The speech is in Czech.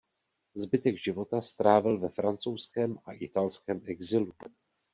Zbytek života strávil ve francouzském a italském exilu.